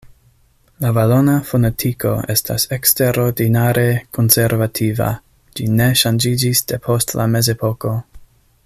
La valona fonetiko estas eksterordinare konservativa: ĝi ne ŝanĝiĝis depost la Mezepoko.